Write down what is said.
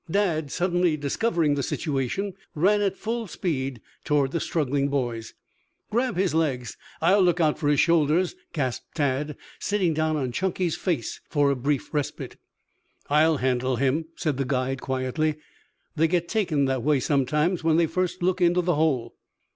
Dad, suddenly discovering the situation, ran at full speed toward the struggling boys. "Grab his legs. I will look out for his shoulders," gasped Tad, sitting down on Chunky's face for a brief respite. "I'll handle him," said the guide quietly. "They get taken that way sometimes when they first look into the hole."